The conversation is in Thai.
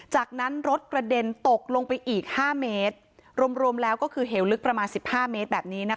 จากนั้นรถกระเด็นตกลงไปอีกห้าเมตรรวมแล้วก็คือเหวลึกประมาณสิบห้าเมตรแบบนี้นะคะ